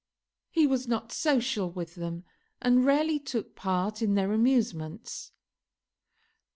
He was not social with them, and rarely took part in their amusements.